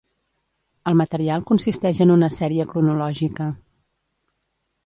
El material consisteix en una sèrie cronològica.